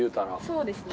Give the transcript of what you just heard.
そうですね。